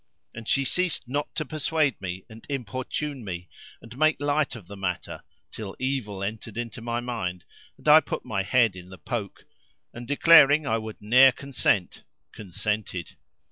And she ceased not to persuade me and importune me and make light of the matter till evil entered into my mind and I put my head in the poke[FN#344] and, declaring I would ne'er consent, consented.